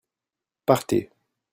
Partez !